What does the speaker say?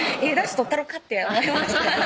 取ったろかって思いました